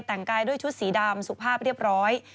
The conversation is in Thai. แต่งกายด้วยชุดสีดำสุภาพเรียบร้อย